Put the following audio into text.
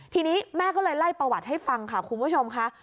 ทีนี้แม่ก็เลยไล่ประวัติให้ฟังค่ะคุณผู้ชมค่ะ